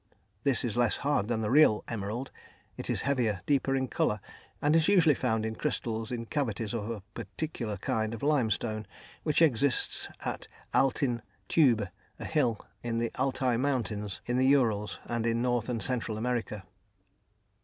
This is less hard than the real emerald, is heavier, deeper in colour, and is usually found in crystals, in cavities of a particular kind of limestone which exists at Altyn Tübe, a hill in the Altai Mountains, in the Urals, and in North and Central America.